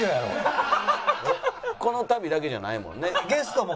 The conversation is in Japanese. この旅だけじゃないもんね。